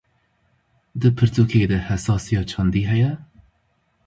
Di pirtûkê de hesasiya çandî heye?